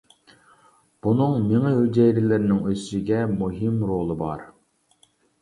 بۇنىڭ مېڭە ھۈجەيرىلىرىنىڭ ئۆسۈشىگە مۇھىم رولى بار.